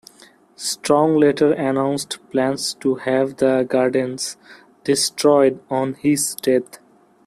Strong later announced plans to have the gardens "destroyed" on his death.